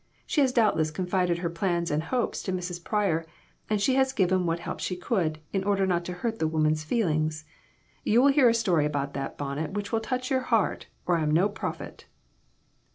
She has doubtless confided her plans and hopes to Mrs. Pryor, and she has given what help she could, in order not to hurt the woman's feelings. You will hear a story about that bonnet which will touch your heart, or I am no prophet."